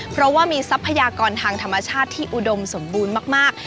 เพราะว่ามีทรัพยากรทางธรรมชาติที่อุดมสมบูรณ์มาก